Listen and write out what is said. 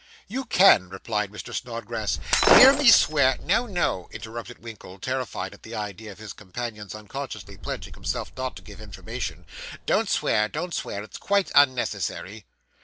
'You can,' replied Mr. Snodgrass. 'Hear me swear ' 'No, no,' interrupted Winkle, terrified at the idea of his companion's unconsciously pledging himself not to give information; 'don't swear, don't swear; it's quite unnecessary.